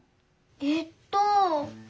えっと。